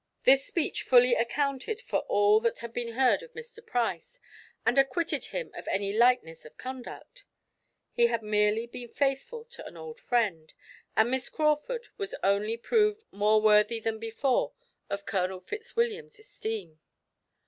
This speech fully accounted for all that had been heard of Mr. Price, and acquitted him of any lightness of conduct; he had merely been faithful to an old friend; and Miss Crawford was only proved more worthy than before of Colonel Fitzwilliam's esteem.